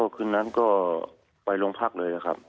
คืนนั้นก็ไปโรงพักเลยครับ